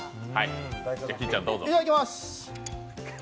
いただきます。